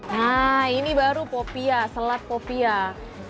nah ini baru popiah selat popiah